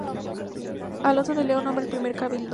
Alonso de León nombra el primer cabildo.